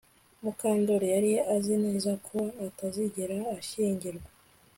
Mukandoli yari azi neza ko atazigera ashyingirwa